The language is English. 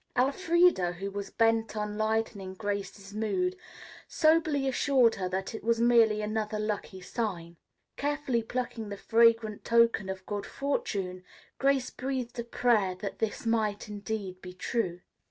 Elfreda, who was bent on lightening Grace's mood, soberly assured her that it was merely another lucky sign. Carefully plucking the fragrant token of good fortune, Grace breathed a prayer that this might indeed be true.